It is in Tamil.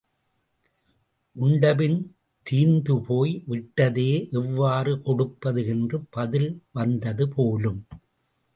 உண்டபின் தீர்ந்துபோய் விட்டதே எவ்வாறு கொடுப்பது என்ற பதில் வந்தது போலும்.